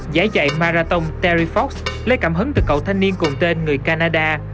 giải chạy marathon terry fox lấy cảm hứng từ cậu thanh niên cùng tên người canada